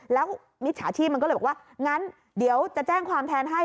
แล้วมิจฉาชีพมันก็เลยบอกว่างั้นเดี๋ยวจะแจ้งความแทนให้